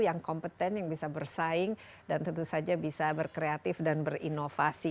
yang kompeten yang bisa bersaing dan tentu saja bisa berkreatif dan berinovasi